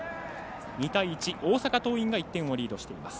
２対１、大阪桐蔭が１点をリードしています。